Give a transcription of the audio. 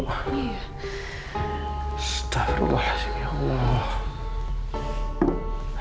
astaghfirullahaladzim ya allah